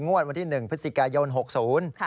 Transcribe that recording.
งวดวันที่๑พฤศจิกายน๖๐